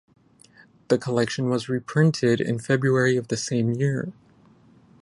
The collection was reprinted in February of the same year.